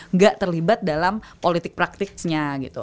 nggak terlibat dalam politik praktiknya gitu